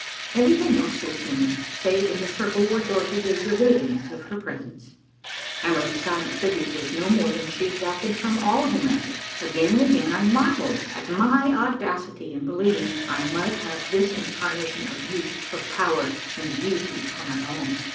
Everything else was gloom, save in the circle where Dorothy gave the radiance of her presence. Hamerly's silent tribute was no more than she exacted from all who met her. Again and again I marvelled at my audacity in believing I might have this incarnation of youth, of power, and beauty for my own.